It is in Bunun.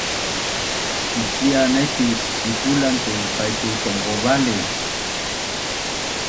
Icia naipi sisipulan tu paitu tongqovali?